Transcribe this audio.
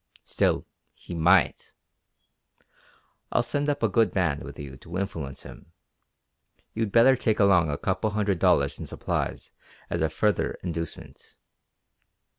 Still, he might. I'll send up a good man with you to influence him, and you'd better take along a couple hundred dollars in supplies as a further inducement."